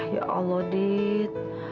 ya allah adit